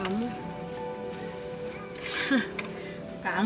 saya adalah wonder woman